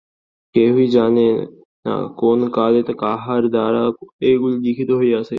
কেহই জানে না, কোন কালে কাহার দ্বারা এগুলি লিখিত হইয়াছে।